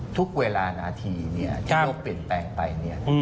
ทุกเวลานาทีเนี่ยที่นกเปลี่ยนแปลงไปเนี่ย